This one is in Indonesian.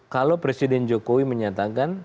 kalau presiden jokowi menyatakan